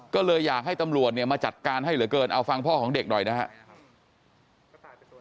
ก็เลยอยากให้ตำรวจเนี่ยมาจัดการให้เหลือเกินเอาฟังพ่อของเด็กหน่อยนะครับ